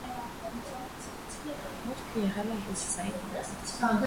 Մուտքը եղել է հյուսային կողմից։